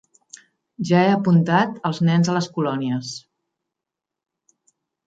Ja he apuntat els nens a les colònies.